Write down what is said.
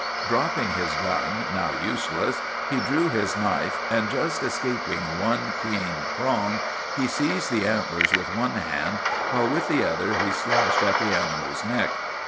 Dropping his gun, now useless, he drew his knife, and, just escaping one keen prong, he seized the antlers with one hand, while with the other he slashed at the animal's neck.